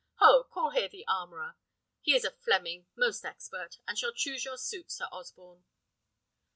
Ho! call here the armourer. He is a Fleming, most expert, and shall choose your suit, Sir Osborne."